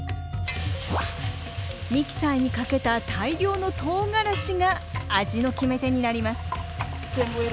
ミキサーにかけた大量のとうがらしが味の決め手になります。